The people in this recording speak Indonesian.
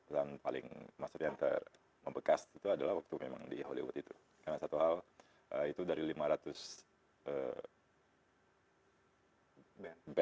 dan paling maksudnya yang terbekas itu adalah waktu memang di hollywood itu karena satu hal itu dari lima ratus band dan lima puluh tiga negara